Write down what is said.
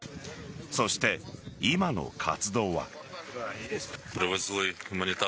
そして、今の活動は。